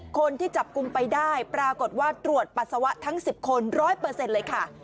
คนที่จับกลุ่มไปได้ปรากฏว่าตรวจปัสสาวะทั้ง๑๐คน๑๐๐เลยค่ะ